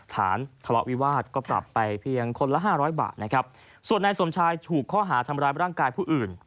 ฐานทะเลาะวิวาสก็ปรับไปเพียงคนละห้าร้อยบาทนะครับส่วนนายสมชายถูกข้อหาทำร้ายร่างกายผู้อื่น